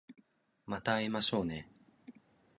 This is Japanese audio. また会いましょうね